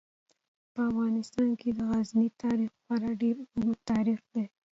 په افغانستان کې د غزني تاریخ خورا ډیر اوږد تاریخ دی.